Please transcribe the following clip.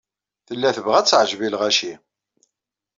Tella tebɣa ad teɛjeb i lɣaci.